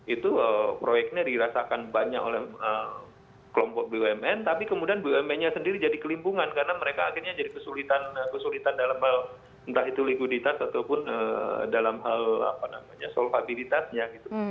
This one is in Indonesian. itu proyeknya dirasakan banyak oleh kelompok bumn tapi kemudian bumn nya sendiri jadi kelimpungan karena mereka akhirnya jadi kesulitan dalam hal entah itu likuiditas ataupun dalam hal apa namanya solvabilitasnya